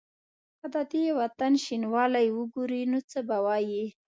که د دې وطن شینوالی وګوري نو څه به وايي؟